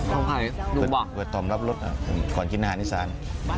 เอาไข่ดูบ่ะเปิดตอมรับรสก่อนกินอาหารที่สาน